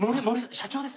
社長です。